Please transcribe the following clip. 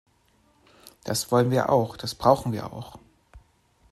Das wollen wir auch, das brauchen wir auch.